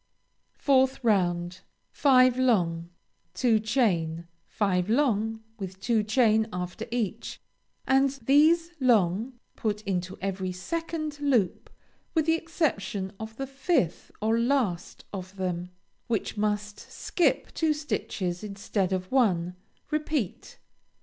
4th round Five long, two chain, five long with two chain after each, and these long put into every second loop with the exception of the fifth or last of them, which must skip two stitches instead of one; repeat.